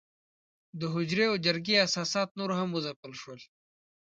د حجرې او جرګې اساسات نور هم وځپل شول.